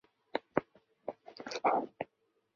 最后与定陵侯淳于长关系亲密而免官。